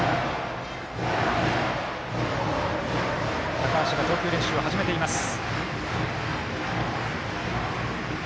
高橋が投球練習を始めています。